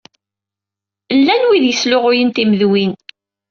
Llant wid yesluɣuyen timedwin.